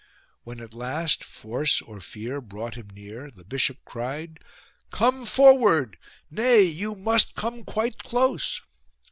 When at last force or fear brought him near, the bishop cried :" Come forward ; nay, you must come quite close."